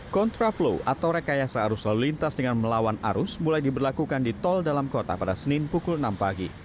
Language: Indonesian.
kontraflow atau rekayasa arus lalu lintas dengan melawan arus mulai diberlakukan di tol dalam kota pada senin pukul enam pagi